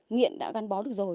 nghiện đã gắn bó được rồi